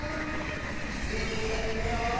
スイスイあてるよ！